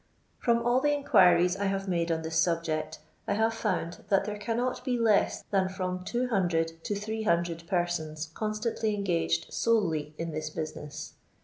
From all the inquiries I have made on this sub ject, I have found that there cannot be less than from 200 to 300 persons constantly engaged solely in this business.